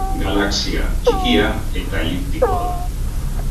Galaxia txikia eta eliptikoa da.